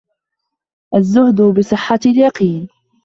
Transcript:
الزُّهْدُ بِصِحَّةِ الْيَقِينِ